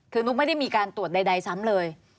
คือนุ๊กไม่ได้มีการตรวจใดซ้ำเลย